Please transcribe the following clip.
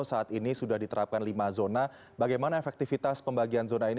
saat ini sudah diterapkan lima zona bagaimana efektivitas pembagian zona ini